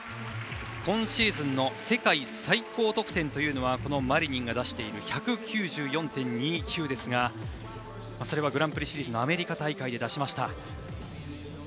今シーズンの世界最高得点というのはマリニンが出している１９４．２９ですがグランプリシリーズのアメリカ大会で出しました。